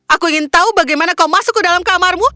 aku ingin tahu bagaimana kau masuk ke dalam kamarmu